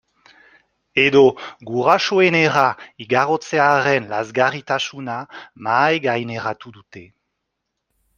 Edo gurasoenera igarotzearen lazgarritasuna mahaigaineratu dute.